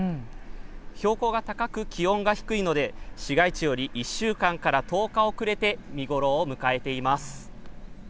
標高が高く、気温が低いので市街地より１週間から１０日遅れて見頃を迎えています。